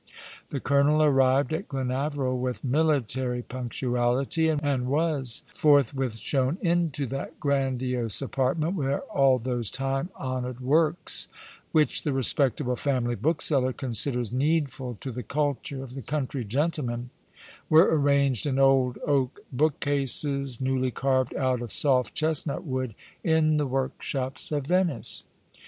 The colonel arrived at Glenaveril with military punctuality, and was forthwith shown into that grandiose apartment, where all those time honoured works which the respectable family bookseller considers needfal to the culture of the country gentleman were arranged in old oak bookcases, newly carved out of soft chestnut wood in the workshops of Venice.